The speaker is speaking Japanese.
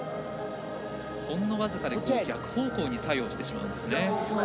ほんの僅かで逆方向に作用してしまうんですね。